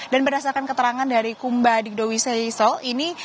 dan berdasarkan keterangan dari kumba digdowisayisol ini